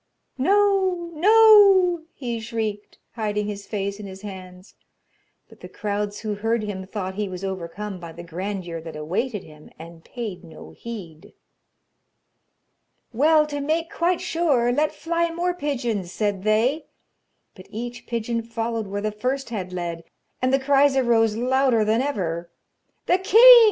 'No! no!' he shrieked, hiding his face in his hands; but the crowds who heard him thought he was overcome by the grandeur that awaited him, and paid no heed. 'Well, to make quite sure, let fly more pigeons,' said they, but each pigeon followed where the first had led, and the cries arose louder than ever: 'The king!